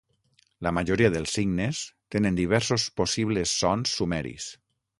La majoria dels signes tenen diversos possibles sons sumeris.